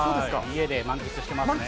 家で満喫してますね。